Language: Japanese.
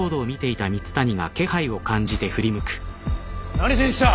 何しに来た？